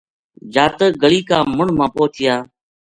جاتک گلی کا مُنڈھ ما پوہچیا